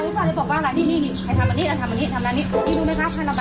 นี่รู้ไหมคะท่านระบายสินะ